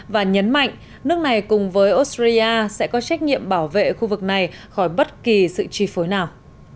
và nhấn mạnh nước này cùng với australia sẽ có trách nhiệm bảo vệ khu vực này khỏi bất kỳ sự chi phối nào